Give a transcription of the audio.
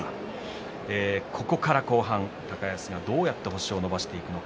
ここから後半高安はどうやって星を伸ばしていくのか。